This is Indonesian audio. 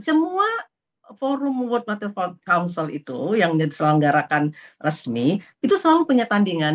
semua forum world martial ford council itu yang diselenggarakan resmi itu selalu punya tandingan